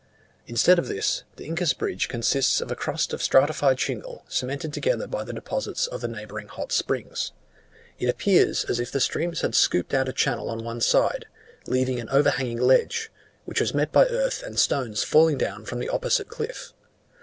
Instead of this, the Incas Bridge consists of a crust of stratified shingle cemented together by the deposits of the neighbouring hot springs. It appears, as if the stream had scooped out a channel on one side, leaving an overhanging ledge, which was met by earth and stones falling down from the opposite cliff.